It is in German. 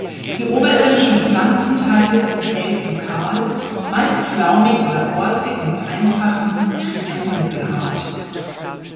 Die oberirdischen Pflanzenteile sind selten kahl, meist flaumig oder borstig mit einfachen Trichomen behaart.